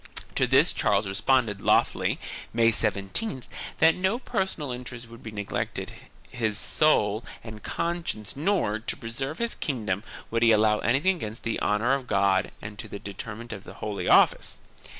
To this Charles responded loftily, May 17th, that for no personal interest would he neglect his soul and conscience nor, to preserve his kingdom, would he allow anything against the honor of God and to the detriment of the Holy Office.